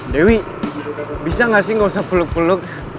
dewi bisa gak sih gak usah peluk peluk